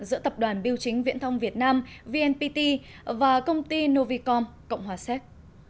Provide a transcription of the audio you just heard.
giữa tập đoàn biêu chính viễn thông việt nam vnpt và công ty novicom cộng hòa séc